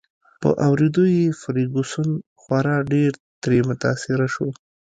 په اوریدو یې فرګوسن خورا ډېر ترې متاثره شوه.